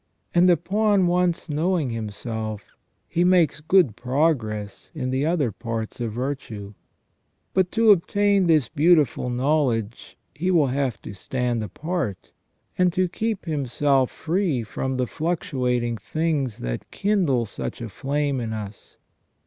And upon once knowing himself, he makes good progress in the other parts of virtue. But to obtain this beautiful knowledge he will have to stand apart, and to keep himself free from the fluctuating things that kindle such a flame in us.